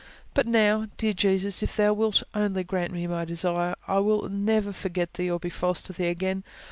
But now, dear Jesus, if Thou wilt only grant me my desire, I will never forget Thee or be false to Thee again.